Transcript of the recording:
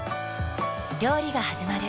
料理がはじまる。